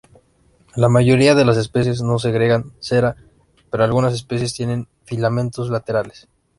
La mayoría de las especies no segregan cera, pero algunas especies tienen filamentos laterales.